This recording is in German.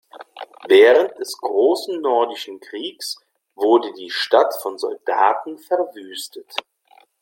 Während des Großen Nordischen Kriegs wurde die Stadt von Soldaten verwüstet.